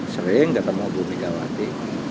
sering ketemu bu megawati